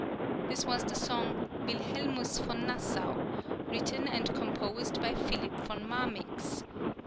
This was the song, "Wilhelmus von Nassau,"[20040] written and composed by Philipp von Mamix (d.